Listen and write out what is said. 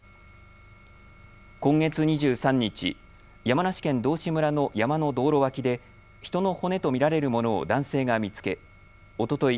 今月２３日、山梨県道志村の山の道路脇で人の骨と見られるものを男性が見つけおととい